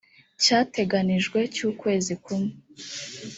cyateganijwe cy ukwezi kumwe